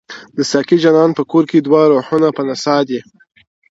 د ساقي جانان په کور کي دوه روحونه په نڅا دي-